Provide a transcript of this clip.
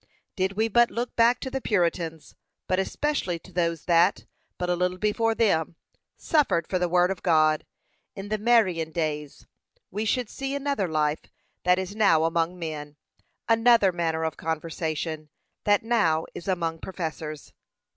Did we but look back to the Puritans, but especially to those that, but a little before them, suffered for the word of God, in the Marian days, we should see another life than is now among men, another manner of conversation than now is among professors.